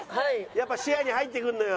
やっぱ視野に入ってくるのよ。